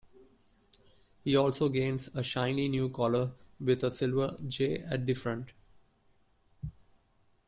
He also gains a shiny new collar with a silver 'J' at the front.